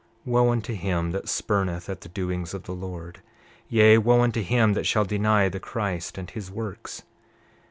29:5 Wo unto him that spurneth at the doings of the Lord; yea, wo unto him that shall deny the Christ and his works!